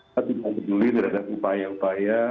tapi saya tidak peduli berhadap upaya upaya